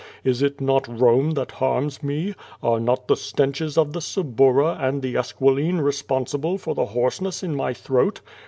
Is it not Rome that harms me? Are not the stenches of the Suburra and the Esquiline responsible for the hoarseness in my throat?